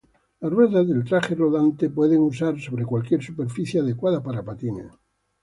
Las ruedas del traje rodante puede usar sobre cualquier superficie adecuada para patines.